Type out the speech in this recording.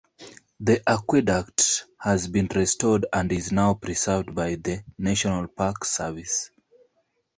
The aqueduct has been restored and is now preserved by the National Park Service.